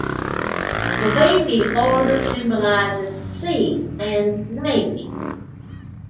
The wavy border symbolizes the sea and Navy.